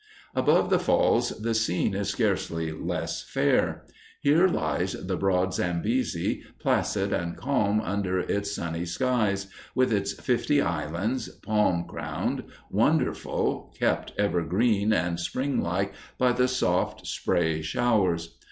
Above the Falls, the scene is scarcely less fair. Here lies the broad Zambesi, placid and calm under its sunny skies, with its fifty islands, palm crowned, wonderful, kept ever green and spring like by the soft spray showers.